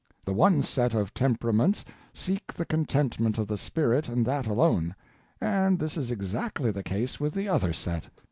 The one set of Temperaments seek the contentment of the spirit, and that alone; and this is exactly the case with the other set.